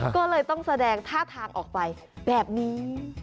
ก็เลยต้องแสดงท่าทางออกไปแบบนี้